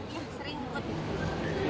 iya sering ikut